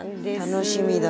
楽しみだな。